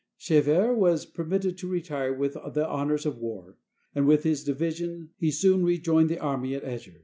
Chevert was permitted to retire with the honors of war, and with his division he soon rejoined the army at Eger.